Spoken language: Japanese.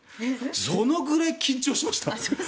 そのぐらい緊張しました。